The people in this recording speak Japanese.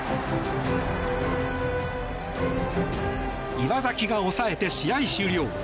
岩崎が抑えて試合終了。